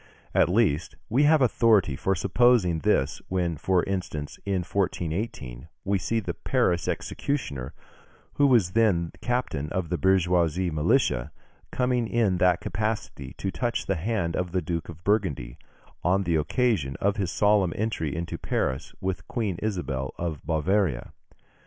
At least, we have authority for supposing this, when, for instance, in 1418, we see the Paris executioner, who was then captain of the bourgeois militia, coming in that capacity to touch the hand of the Duke of Burgundy, on the occasion of his solemn entry into Paris with Queen Isabel of Bavaria.